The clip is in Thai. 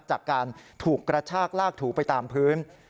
จากการถูกกระชากลากถูไปตามพื้น